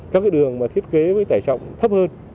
các cái đường mà thiết kế với tải trọng thấp hơn